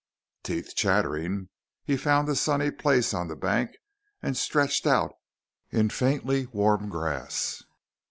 Teeth chattering, he found a sunny place on the bank and stretched out in faintly warm grass.